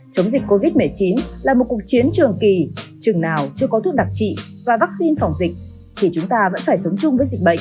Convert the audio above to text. chống dịch covid một mươi chín là một cuộc chiến trường kỳ chừng nào chưa có thuốc đặc trị và vaccine phòng dịch thì chúng ta vẫn phải sống chung với dịch bệnh